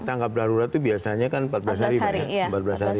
tangkap darurat itu biasanya kan empat belas hari kan ya